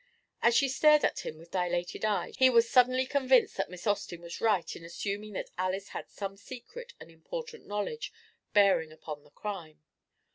As she stared at him with dilated eyes, he was suddenly convinced that Miss Austin was right in assuming that Alys had some secret and important knowledge bearing upon the crime.